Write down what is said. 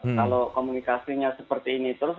kalau komunikasinya seperti ini terus